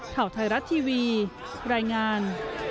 ข่าวไทยรัฐทีวีรายงาน